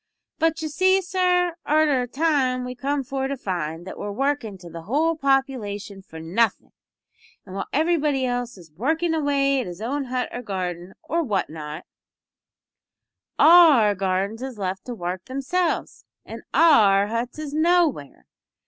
But you see, sir, arter a time we come for to find that we're workin' to the whole population for nothin', and while everybody else is working away at his own hut or garden, or what not, our gardens is left to work themselves, an' our huts is nowhere!